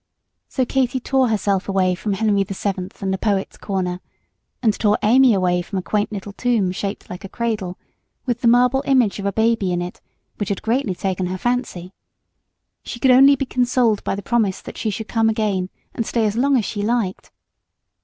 So Katy tore herself away from Henry the Seventh and the Poets' Corner, and tore Amy away from a quaint little tomb shaped like a cradle, with the marble image of a baby in it, which had greatly taken her fancy. She could only be consoled by the promise that she should soon come again and stay as long as she liked.